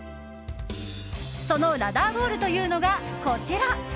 そのラダーボールというのがこちら。